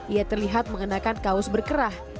ia terlihat mengenakan kaos berkerah